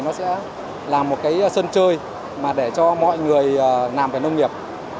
nó sẽ là một cái sân chơi mà để cho mọi người làm về nông nghiệp